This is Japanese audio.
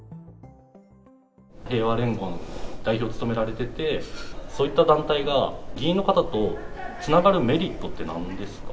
平和連合の代表を務められてて、そういった団体が、議員の方とつながるメリットってなんですか？